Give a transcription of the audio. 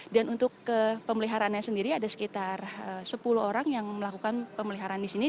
dan untuk pemeliharaannya sendiri ada sekitar sepuluh orang yang melakukan pemeliharaan di sini